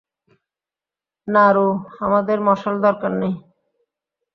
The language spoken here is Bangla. নারু, আমাদের মশাল দরকার নেই।